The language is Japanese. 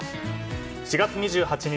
４月２８日